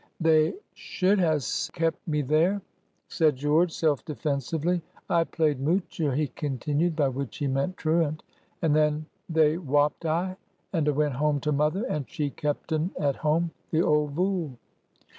"They should ha' kept me there," said George, self defensively. "I played moocher," he continued,—by which he meant truant,—"and then they whopped I, and a went home to mother, and she kept un at home, the old vool!"